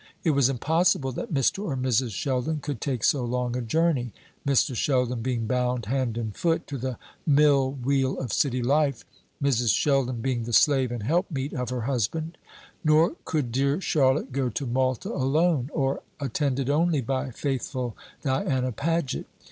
It was impossible that Mr. or Mrs. Sheldon could take so long a journey; Mr. Sheldon being bound hand and foot to the mill wheel of City life, Mrs. Sheldon being the slave and helpmeet of her husband. Nor could dear Charlotte go to Malta alone, or attended only by faithful Diana Paget.